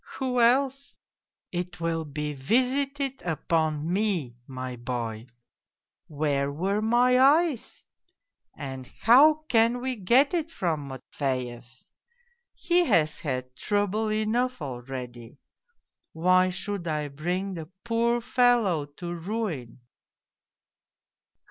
... Who else ? It will be visited upon me, my boy : where were my eyes ? And how POLZUNKOV 221 can we get it from Matveyev ? He has had trouble enough already : why should I bring the poor fellow to ruin